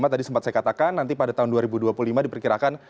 tadi sempat saya katakan nanti pada tahun dua ribu dua puluh lima diperkirakan